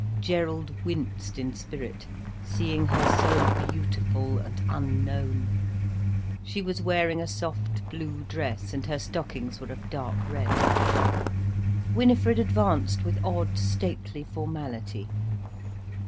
Gerald winced in spirit, seeing her so beautiful and unknown. She was wearing a soft blue dress, and her stockings were of dark red. Winifred advanced with odd, stately formality.